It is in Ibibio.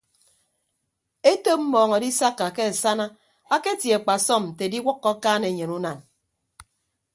Etop mmọọñ adisakka ke asana aketie akpasọm nte ediwʌkkọ akaan enyen unan.